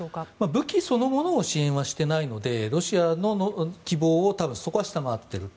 武器そのものは支援していないのでロシアの希望をそこは下回っていると。